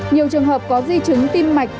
nhiều trường hợp có di chứng tim mạch